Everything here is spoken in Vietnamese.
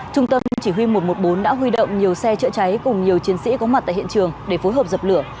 trung tâm chỉ huy một trăm một mươi bốn đã huy động nhiều xe chữa cháy cùng nhiều chiến sĩ có mặt tại hiện trường để phối hợp dập lửa